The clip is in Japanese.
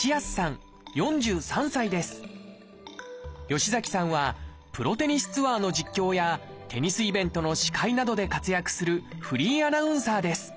吉崎さんはプロテニスツアーの実況やテニスイベントの司会などで活躍するフリーアナウンサーです。